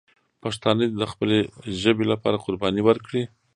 پښتانه دې د خپلې ژبې لپاره قرباني ورکړي.